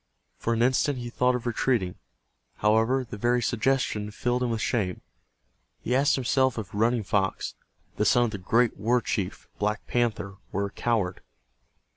For an instant he thought of retreating. However, the very suggestion filled him with shame. He asked himself if Running Fox, the son of the great war chief, Black Panther, were a coward.